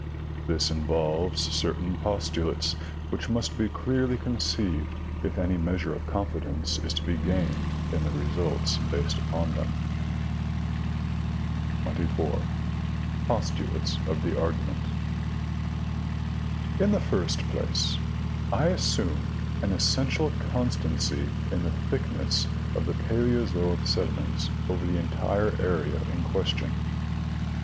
This involves certain postulates which must be clearly conceived if any measure of confidence is to be gained in the results based upon them. 24. Post dates of the argument. — In the first place, I assume an essential constancy in the thickness of the paleozoic sediments over the entire area in question.